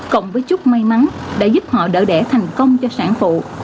cộng với chút may mắn đã giúp họ đỡ đẻ thành công cho sản phụ